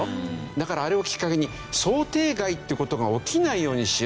だからあれをきっかけに「想定外という事が起きないようにしよう」。